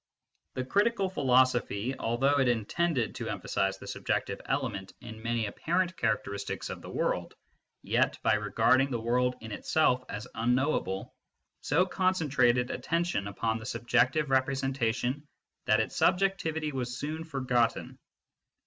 The Critical Philosophy, although it intended to emphasise the subjective element 1 Bosanquet, Lofio, il, p. 211. ioo MYSTICISM AND LOGIC in many apparent characteristics of the world, yet, by regarding the world in itself as unknowable, so con centrated attention upon the subjective representation that its subjectivity was soon forgotten.